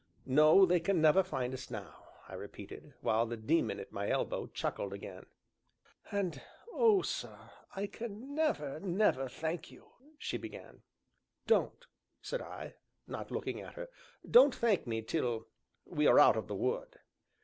"No, they can never find us now," I repeated, while the Daemon at my elbow chuckled again. "And oh, sir! I can never, never thank you," she began. "Don't," said I, not looking at her; "don't thank me till we are out of the wood."